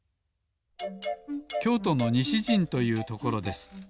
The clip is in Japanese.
きょうとのにしじんというところです。